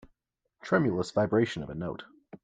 Tremulous vibration of a note.